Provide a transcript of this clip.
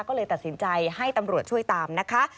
คือเห็นเค้ายืนอยู่ทางนั้นก็ไม่รู้ว่าเค้าจะซื้อจริงหรือเปล่า